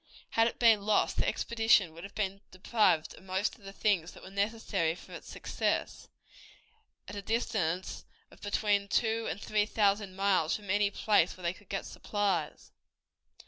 Had it been lost the expedition would have been deprived of most of the things that were necessary for its success, at a distance of between two and three thousand miles from any place where they could get supplies.